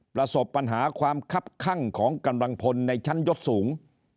ประสบปัญหาความคับข้างของกำลังพลในชั้นยศสูง